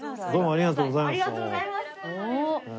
ありがとうございます。